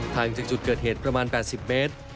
ทางจากจุดเกิดเหตุประมาณ๘๐เมตร